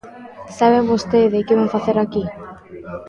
¿Sabe vostede que vén facer aquí?